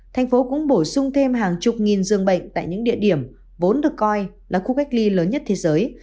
thành phố cũng bổ sung thêm hàng chục nghìn dương bệnh tại những địa điểm vốn được coi là khu cách ly lớn nhất thế giới